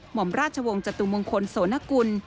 หมอมราชวงศ์จตุมงคลโสนกุล